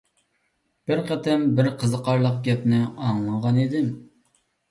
بىر قېتىم بىر قىزىقارلىق گەپنى ئاڭلىغانىدىم.